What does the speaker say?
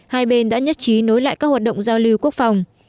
hai bên đã nhất trí nối lại các hoạt động giao lưu quốc phòng